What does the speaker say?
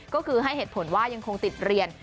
ก็คือให้เหตุผลว่ายังคงติดเรียน